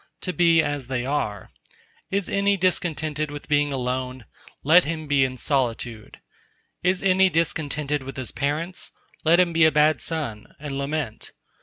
To be as they are. Is any discontented with being alone? let him be in solitude. Is any discontented with his parents? let him be a bad son, and lament.